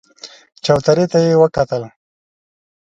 چوترې ته يې وکتل.